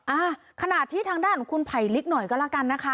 อ่าขณะที่ทางด้านของคุณไผลลิกหน่อยก็แล้วกันนะคะ